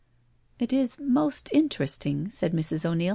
''" It is most interesting," said Mrs. O'Neil.